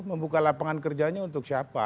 membuka lapangan kerjanya untuk siapa